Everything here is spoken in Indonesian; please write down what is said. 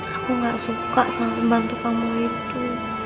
aku gak suka sama bantu kamu itu